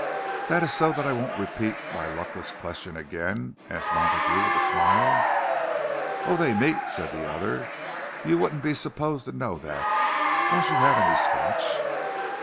"That is so that I won't repeat my luckless question again?" asked Montague, with a smile. "Oh, they meet," said the other. "You wouldn't be supposed to know that. Won't you have any Scotch?"